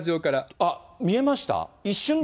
あっ、見えました？